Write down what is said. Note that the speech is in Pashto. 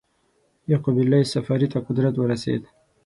یعقوب اللیث صفاري ته قدرت ورسېد.